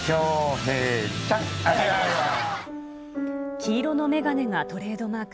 黄色の眼鏡がトレードマーク。